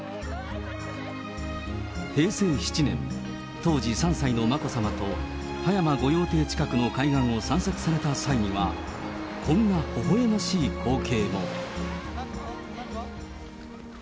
平成７年、当時３歳の眞子さまと、葉山御用邸近くの海岸を散策された際には、こんなほほえましい光景も。